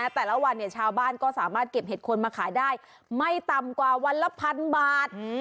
แต่ละวันชาวบ้านก็สามารถเก็บเห็ดคนมาขายได้ไม่ต่ำกว่าวันละพันบาท